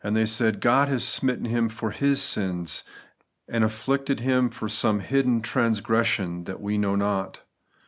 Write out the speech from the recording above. They said, God has smitten him for his sins/ arid afflicted him for some hidden transgression that we know not.